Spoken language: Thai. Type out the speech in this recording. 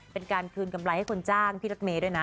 เป็นการคืนกำไรให้คนจ้างพี่รถเมย์ด้วยนะ